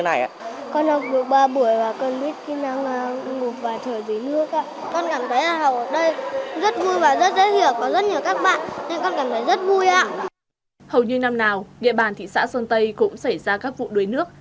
như năm nào địa bàn thị xã sơn tây cũng xảy ra các vụ đối nước